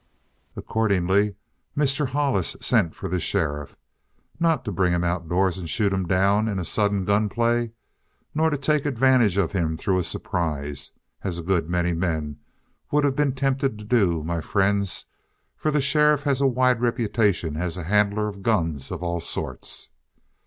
"Accordingly Mr. Hollis sent for the sheriff. Not to bring him outdoors and shoot him down in a sudden gunplay, nor to take advantage of him through a surprise as a good many men would have been tempted to do, my friends, for the sheriff has a wide reputation as a handler of guns of all sorts.